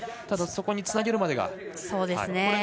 ただ、そこにつなげるまでが。